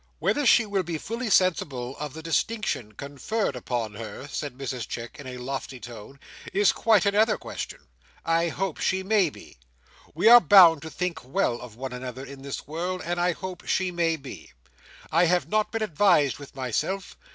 "Whether she will be fully sensible of the distinction conferred upon her," said Mrs Chick, in a lofty tone, "is quite another question. I hope she may be. We are bound to think well of one another in this world, and I hope she may be. I have not been advised with myself.